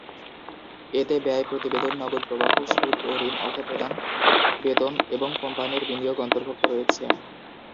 এতে ব্যয় প্রতিবেদন, নগদ প্রবাহ, সুদ এবং ঋণ অর্থ প্রদান, বেতন এবং কোম্পানির বিনিয়োগ অন্তর্ভুক্ত রয়েছে।